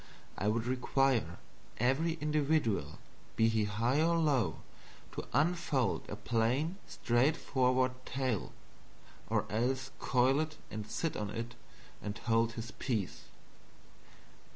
I would require every individual, be he high or low, to unfold a plain straightforward tale, or else coil it and sit on it and hold his peace.